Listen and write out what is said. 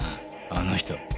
あの人。